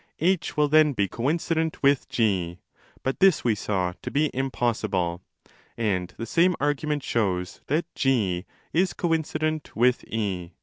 A will 283° then be coincident with G, but this we saw to be impossible. And the same argument shows that G is coincident with £.